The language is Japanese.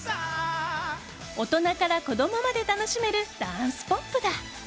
大人から子供まで楽しめるダンスポップだ。